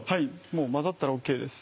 もう混ざったらＯＫです。